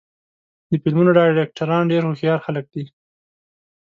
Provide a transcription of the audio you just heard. د فلمونو ډایرکټران ډېر هوښیار خلک دي.